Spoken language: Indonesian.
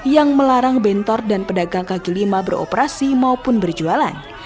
yang melarang bentor dan pedagang kaki lima beroperasi maupun berjualan